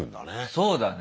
そうだね。